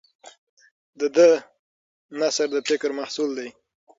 د ده نثر د فکر محصول دی.